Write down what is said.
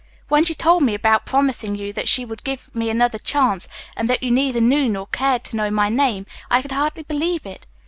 When she told me about promising you that she would give me another chance and that you neither knew nor cared to know my name, I could hardly believe it.